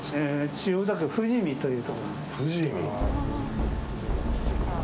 千代田区富士見というところです。